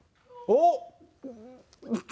おっ！